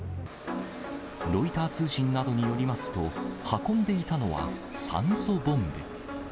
ロイター通信などによりますと、運んでいたのは、酸素ボンベ。